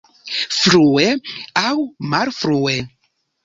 Frue aŭ malfrue!